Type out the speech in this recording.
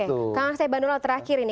oke saya bantu lo terakhir ini